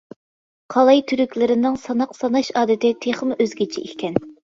قالاي تۈركلىرىنىڭ ساناق ساناش ئادىتى تېخىمۇ ئۆزگىچە ئىكەن.